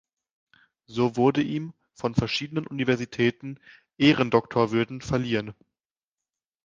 So wurde ihm von verschiedenen Universitäten Ehrendoktorwürden verliehen.